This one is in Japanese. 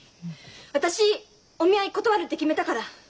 私お見合い断るって決めたから！